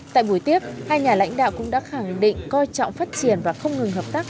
tại buổi tiếp hai nhà lãnh đạo cũng đã khẳng định coi trọng phát triển và không ngừng hợp tác